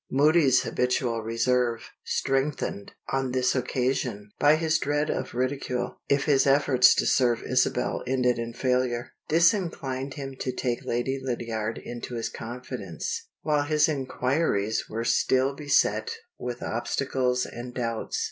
Moody's habitual reserve strengthened, on this occasion, by his dread of ridicule, if his efforts to serve Isabel ended in failure disinclined him to take Lady Lydiard into his confidence, while his inquiries were still beset with obstacles and doubts.